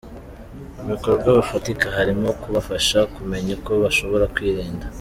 mu bikorwa bifatika harimo kubafasha kumenya uko bashobora kwirinda.